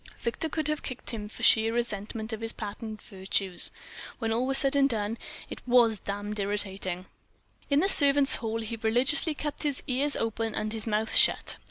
Victor could have kicked him for sheer resentment of his pattern virtues. When all was said and done, it was damned irritating. ... In the servants' hall he religiously kept his ears open and his mouth shut.